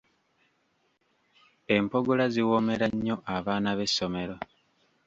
Empogola ziwoomera nnyo abaana b'essomero.